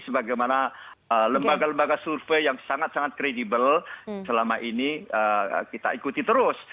sebagaimana lembaga lembaga survei yang sangat sangat kredibel selama ini kita ikuti terus